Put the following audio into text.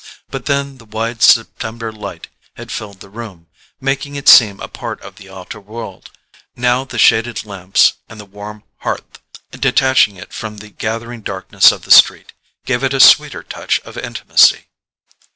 But then the wide September light had filled the room, making it seem a part of the outer world: now the shaded lamps and the warm hearth, detaching it from the gathering darkness of the street, gave it a sweeter touch of intimacy.